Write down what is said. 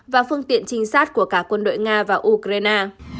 và phương tiện trinh sát của cả quân đội nga và ukraine